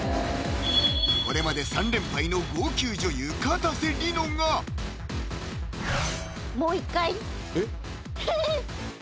これまで３連敗の号泣女優・かたせ梨乃がもう一回ヘヘッ！